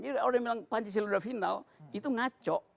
jadi orang bilang pancasila sudah final itu ngaco